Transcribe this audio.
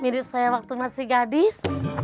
hidup saya waktu masih gadis